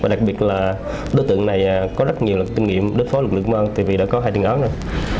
đặc biệt là đối tượng này có rất nhiều lực tinh nghiệm đối phó lực lượng công an vì đã có hai tiền án